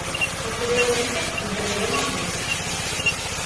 Posteriormente, interviremos nesta.